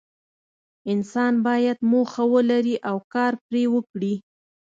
انسان باید موخه ولري او کار پرې وکړي.